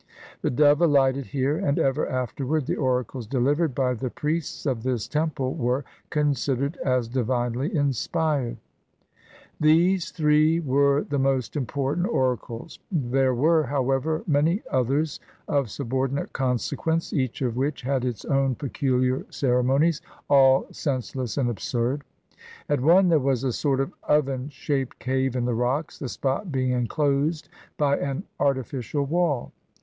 The dove alighted here, and ever afterward the oracles delivered by the priests of this temple were considered as divinely inspired. 307 PERSIA These three were the most important oracles. There were, however, many others of subordinate consequence, each of which had its own pecuHar ceremonies, all sense less and absurd. At one there was a sort of oven shaped cave in the rocks, the spot being inclosed by an artificial wall.